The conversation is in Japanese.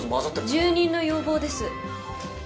住人の要望です。